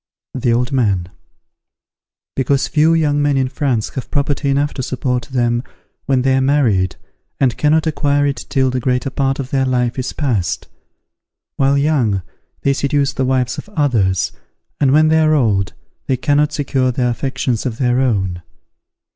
The Old Man. Because few young men in France have property enough to support them when they are married, and cannot acquire it till the greater part of their life is passed. While young, they seduce the wives of others, and when they are old, they cannot secure the affections of their own.